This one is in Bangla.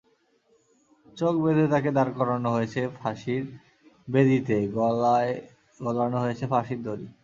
চোখ বেঁধে তাঁকে দাঁড় করানো হয়েছে ফাঁসির বেদিতে, গলায় গলানো হয়েছে ফাঁসির দড়ি।